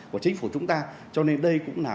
của chính phủ chúng ta cho nên đây cũng là